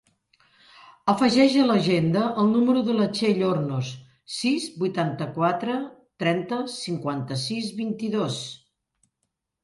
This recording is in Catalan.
Afegeix a l'agenda el número de la Txell Hornos: sis, vuitanta-quatre, trenta, cinquanta-sis, vint-i-dos.